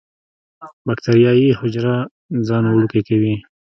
باکټریايي حجره ځان وړوکی کوي.